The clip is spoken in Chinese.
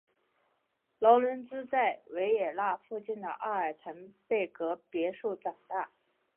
劳伦兹在维也纳附近的阿尔滕贝格别墅长大。